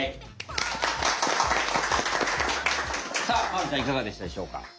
さあまるちゃんいかがでしたでしょうか？